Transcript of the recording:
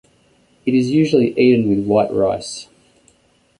It is usually eaten with white rice.